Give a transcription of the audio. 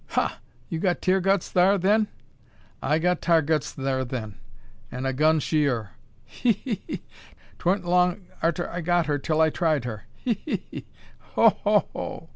"Ha! you got Tear guts thar then?" "I got Tar guts thur then, an' a gun she ur. He! he! he! 'Twa'n't long arter I got her till I tried her. He! he! he! Ho! ho! hoo!"